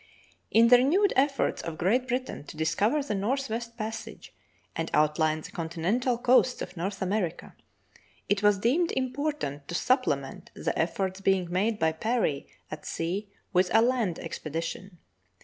In the renewed efforts of Great Britain to discover the northwest passage and outline the continental coasts of North America, it was deemed important to supplement the efforts being made by Parry at sea with a land expedition.